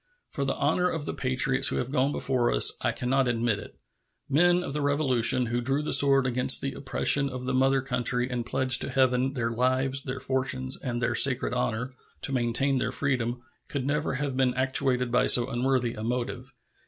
For the honor of the patriots who have gone before us, I can not admit it. Men of the Revolution, who drew the sword against the oppressions of the mother country and pledged to Heaven "their lives, their fortunes, and their sacred honor" to maintain their freedom, could never have been actuated by so unworthy a motive.